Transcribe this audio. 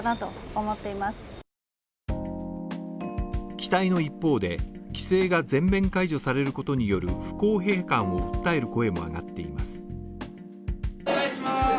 期待の一方で規制が全面解除されることによる不公平感を訴える声も上がっています。